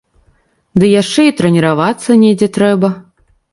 Ды яшчэ і трэніравацца недзе трэба!